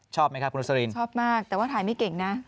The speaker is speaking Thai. ชอบไหมครับคุณรสลินชอบมากแต่ว่าถ่ายไม่เก่งนะ